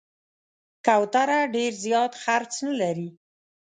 کوتره ډېر زیات خرڅ نه لري.